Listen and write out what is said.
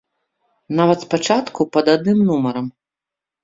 Нават спачатку пад адным нумарам.